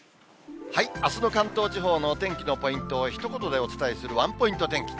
あすの関東地方のお天気のポイントをひと言でお伝えするワンポイント天気。